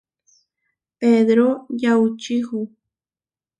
Pedró yaučíhu.